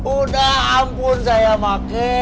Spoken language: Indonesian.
udah ampun saya mak